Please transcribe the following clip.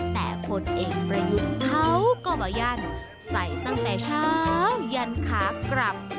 แต่ผลเอกประยุทธ์เขาก็มายันใส่ตั้งแต่เช้ายันขากลับ